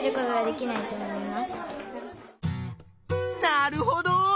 なるほど！